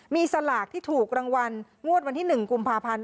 มีสลากที่ถูกรางวัลงวดวันที่๑กุมภาพันธ์